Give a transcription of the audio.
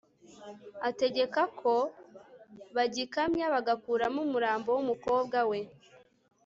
ategeka ko bagikamya, bagakuramo umurambo w'umukobwa we